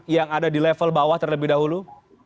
yang ada di level bawah terlebih dahulu